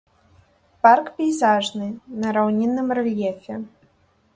Парк пейзажны, на раўнінным рэльефе.